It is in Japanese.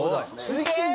すげえ。